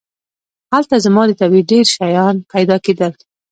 هلته زما د طبعې ډېر شیان پیدا کېدل.